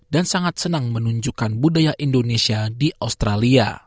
dan sangat senang menunjukkan budaya indonesia di australia